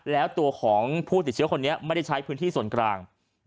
แล้วตัวของผู้ติดเชื้อคนนี้ไม่ได้ใช้พื้นที่ส่วนกลาง